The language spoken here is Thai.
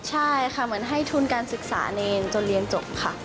ใช่ค่ะเหมือนให้ทุนการศึกษาเนรจนเรียนจบค่ะ